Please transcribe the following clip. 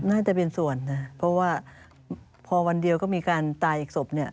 น่าจะเป็นส่วนนะเพราะว่าพอวันเดียวก็มีการตายอีกศพเนี่ย